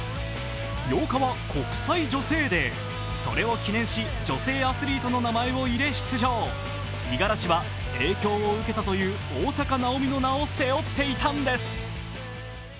８日は国際女性デー、それを記念し女性アスリートの名前を入れ、出場五十嵐は影響を受けたという大坂なおみの名を背負っていたんです。